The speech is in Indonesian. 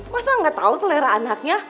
masa nggak tahu selera anaknya